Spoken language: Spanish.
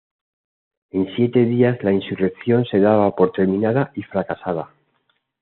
En siete días la insurrección se daba por terminada y fracasada.